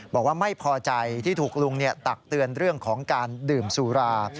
บอกว่าไม่พอใจที่ถูกลุงตักเตือนเรื่องของการดื่มสุรา